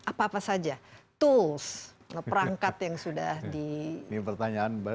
apa apa saja tools perangkat yang sudah dipertanyakan